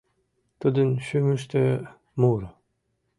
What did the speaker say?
Тудын шӱмыштӧ — муро